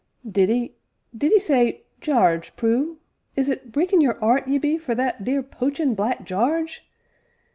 "Did 'ee did 'ee say Jarge, Prue? Is it breekin' your 'eart ye be for that theer poachin' Black Jarge?